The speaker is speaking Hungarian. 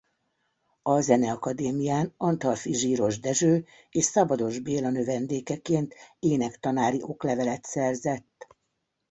A Zeneakadémián Antalffy-Zsiross Dezső és Szabados Béla növendékeként énektanári oklevelet szerzett.